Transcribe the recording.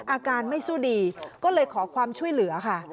อาการไม่สู้ดีก็เลยขอความช่วยเหลือค่ะ